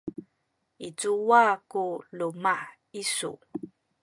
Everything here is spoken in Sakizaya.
i cuwa ku luma’ isu?